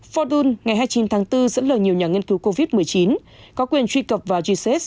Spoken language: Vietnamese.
fordun ngày hai mươi chín tháng bốn dẫn lời nhiều nhà nghiên cứu covid một mươi chín có quyền truy cập vào g sáu